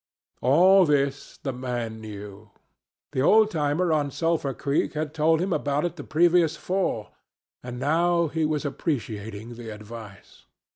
All this the man knew. The old timer on Sulphur Creek had told him about it the previous fall, and now he was appreciating the advice.